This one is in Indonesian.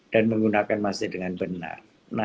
dan menggunakan masker dengan benar